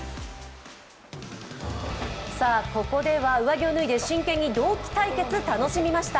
ここでは上着を脱いで真剣に同期対決楽しみました。